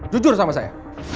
jujur sama saya